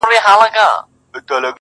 ډېر پخوا د نیل پر غاړه یو قاتل وو؛